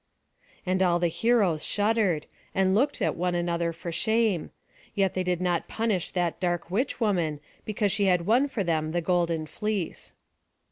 And all the heroes shuddered, and looked one at the other for shame; yet they did not punish that dark witch woman, because she had won for them the golden fleece.